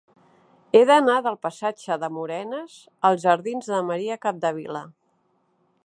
He d'anar del passatge de Morenes als jardins de Maria Capdevila.